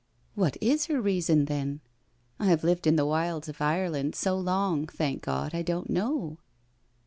" What is her reason, then? I have lived in the wilds of Ireland so long, thank God, I don't know."